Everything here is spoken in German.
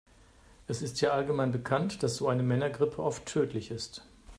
Es ist ja allgemein bekannt, dass so eine Männergrippe oft tödlich ist.